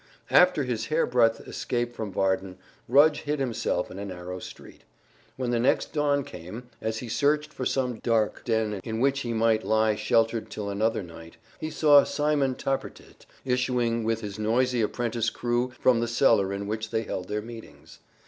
After his hairbreadth escape from Varden, Rudge hid himself in a narrow street. When the next dawn came, as he searched for some dark den in which he might lie sheltered till another night, he saw Simon Tappertit issuing with his noisy apprentice crew from the cellar in which they held their meetings.